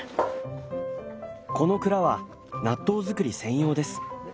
この蔵は納豆造り専用です。